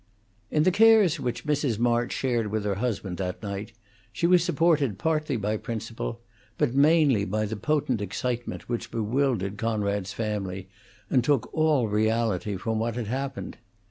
VI. In the cares which Mrs. March shared with her husband that night she was supported partly by principle, but mainly by the potent excitement which bewildered Conrad's family and took all reality from what had happened.